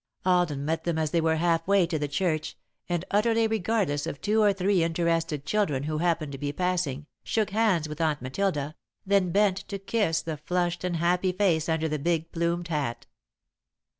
Alden met them as they were half way to the church, and, utterly regardless of two or three interested children who happened to be passing, shook hands with Aunt Matilda, then bent to kiss the flushed and happy face under the big plumed hat.